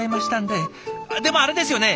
でもあれですよね！